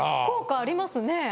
効果ありますね。